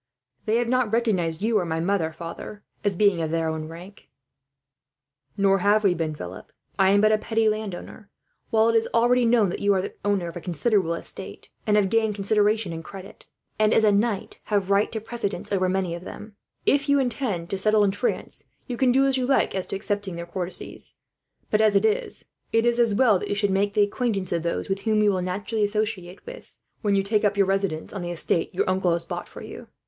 "They have not recognized you or my mother, father, as being of their own rank." "Nor have we been, Philip. I am but a petty landowner, while it is already known that you are the owner of a considerable estate; and have gained consideration and credit, and as a knight have right to precedence over many of them. If you had intended to settle in France, you could do as you like as to accepting their courtesies; but as it is, it is as well that you should make the acquaintance of those with whom you will naturally associate, when you take up your residence on the estate your uncle has bought for you.